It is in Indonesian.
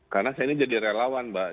karena saya ini jadi relawan mbak